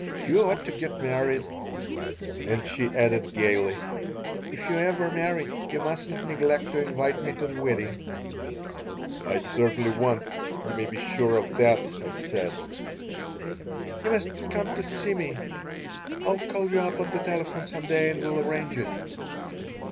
You ought to get married." And she added, gaily, "If you ever marry, you mustn't neglect to invite me to the wedding." "I certainly won't; you may be sure of that," I said "You must come to see me. I'll call you up on the telephone some day and we'll arrange it."